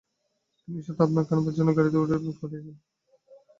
তিনি সত্বর আপনাকে আনবার জন্যে গাড়িতে করে লোক পাঠিয়েছেন।